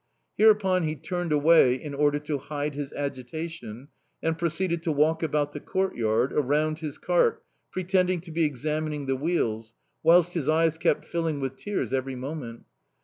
Hereupon he turned away in order to hide his agitation and proceeded to walk about the courtyard, around his cart, pretending to be examining the wheels, whilst his eyes kept filling with tears every moment.